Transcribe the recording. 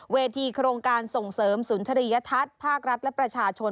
เวทีโครงการส่งเสริมสุนทรียทัศน์ภาครัฐและประชาชน